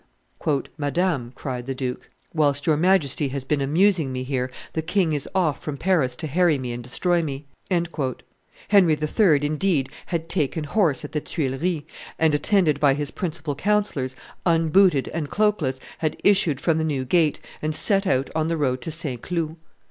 "Madame," cried the duke, "whilst your Majesty has been amusing me here, the king is off from Paris to harry me and destroy me!" Henry III., indeed, had taken horse at the Tuileries, and, attended by his principal councillors, unbooted and cloakless, had issued from the New gate, and set out on the road to St. Cloud.